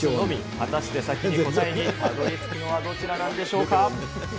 果たして先に答えにたどりつくのはどちらなんでしょうか。